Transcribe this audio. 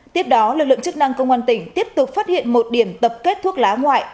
tiếp đó lực lượng chức năng công an tỉnh tiếp tục phát hiện một điểm tập kết thuốc lá ngoại